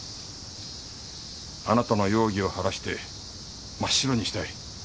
あなたの容疑を晴らして真っ白にしたい。